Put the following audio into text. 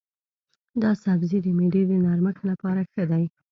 دا سبزی د معدې د نرمښت لپاره ښه دی.